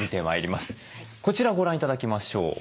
こちらご覧頂きましょう。